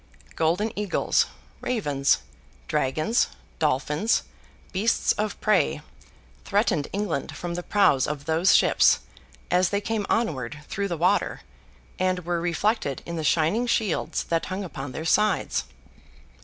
Golden eagles, ravens, dragons, dolphins, beasts of prey, threatened England from the prows of those ships, as they came onward through the water; and were reflected in the shining shields that hung upon their sides.